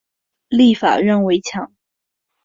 立法院围墙